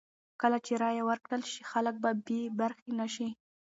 کله چې رایه ورکړل شي، خلک به بې برخې نه شي.